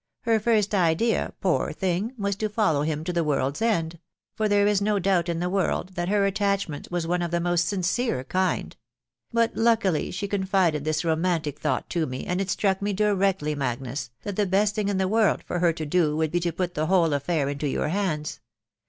... Her first idea, poor thing, was to follow him to the world's end — for there is no doubt in the world that her attachment was of the most sin cere kind ; but luckily she confided this romantic thought to me, and it struck me directly, Magnus, that the best thing in the world for her to do would be to put the whole affair into your hands.